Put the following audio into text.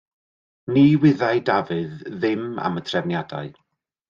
Ni wyddai Dafydd ddim am y trefniadau.